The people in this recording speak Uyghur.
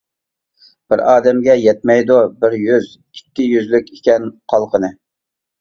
بىر ئادەمگە يەتمەيدۇ بىر يۈز، ئىككى يۈزلۈك ئىكەن قالقىنى.